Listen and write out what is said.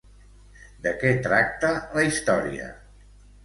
De què tracta la història?